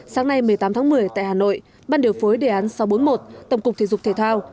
sáng nay một mươi tám tháng một mươi tại hà nội ban điều phối đề án sáu trăm bốn mươi một tổng cục thể dục thể thao